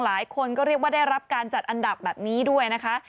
หลายคนก็เรียกว่าได้รับการจัดอันดับแบบนี้ด้วยนะคะ